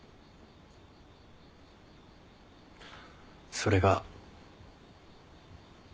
それが。